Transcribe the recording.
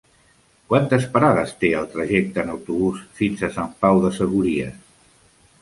Quantes parades té el trajecte en autobús fins a Sant Pau de Segúries?